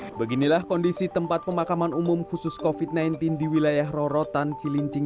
hai beginilah kondisi tempat pemakaman umum khusus kofit sembilan belas di wilayah rorotan cilincing